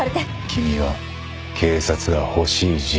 「君は警察が欲しい人材だ」